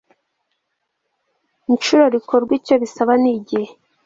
inshuro rikorwa icyo bisaba n igihe